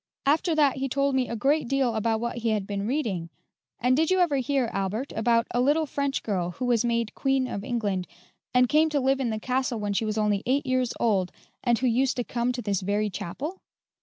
After that he told me a great deal about what he had been reading. And did you ever hear, Albert, about a little French girl who was made Queen of England, and came to live in the castle when she was only eight years old, and who used to come to this very chapel?"